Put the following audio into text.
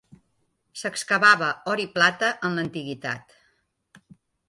S'excavava or i plata en l'antiguitat.